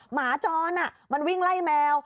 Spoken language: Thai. หมาจรมันวิ่งไล่แมว